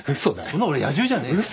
そんな俺野獣じゃねえよ。